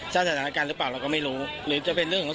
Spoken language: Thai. สถานการณ์หรือเปล่าเราก็ไม่รู้หรือจะเป็นเรื่องของ